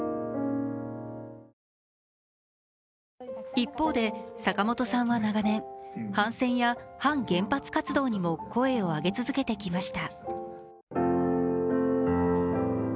一方で坂本さんは長年、反戦や反原発デモにも声を上げ続けてきました。